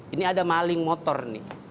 ini ada maling motor nih